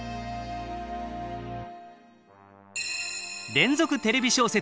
連続テレビ小説